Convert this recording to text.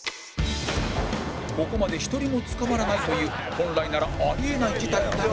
ここまで１人も捕まらないという本来ならあり得ない事態だが